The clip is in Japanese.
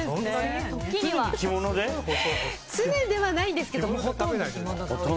常にではないですけどほとんど着物で。